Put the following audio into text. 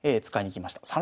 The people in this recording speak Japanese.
使いにきました。